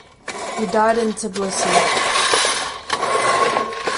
He died in Tblisi.